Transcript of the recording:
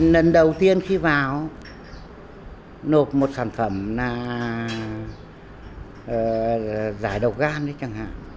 lần đầu tiên khi vào nộp một sản phẩm là giải độc gan chẳng hạn